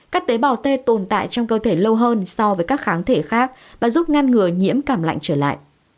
các tế bào tê tồn tại trong cơ thể lâu hơn so với các kháng thể khác và giúp ngăn ngừa nhiễm cảm lạnh trở lại